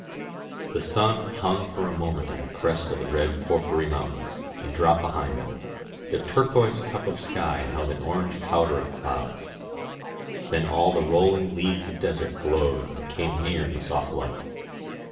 The sun hung for a moment on the crest of the red porphyry mountains, aid dropped behind them; the turquoise cup of sky held an orange powder of clouds. Then all the rolling leagues of desert glowed and came near in the soft light.